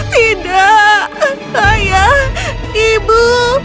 tidak ayah ibu